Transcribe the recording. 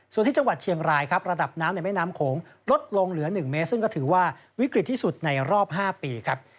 ส่วนที่จังหวัดเชียงรายครับระดับน้ำในแม่น้ำโขงลดลงเหลือ๑เมตรซึ่งก็ถือว่าวิกฤตที่สุดในรอบ๕ปีครับ